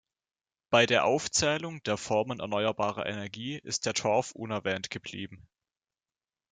Bei der Aufzählung der Formen erneuerbarer Energie ist der Torf unerwähnt geblieben.